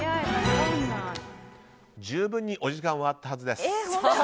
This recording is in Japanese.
十分にお時間はあったはずです。